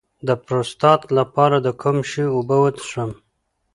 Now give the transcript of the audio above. د پروستات لپاره د کوم شي اوبه وڅښم؟